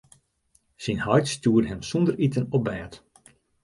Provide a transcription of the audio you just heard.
Syn heit stjoerde him sûnder iten op bêd.